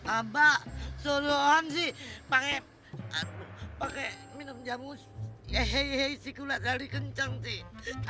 aba suruhan sih pake minum jamu yehey yehey si gula dari kenceng sih